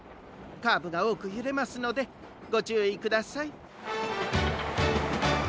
カーブがおおくゆれますのでごちゅういください。